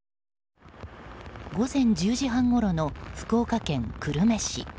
午前１０時半ごろの福岡県久留米市。